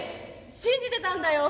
信じてたんだよ。